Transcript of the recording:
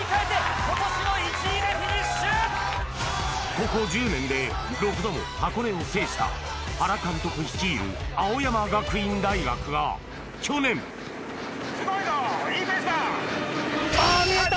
ここ１０年で６度の箱根を制した原監督率いる青山学院大学が去年あぁ見えた！